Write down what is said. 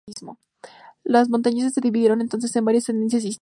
Los Montañeses se dividieron entonces en varias tendencias distintas.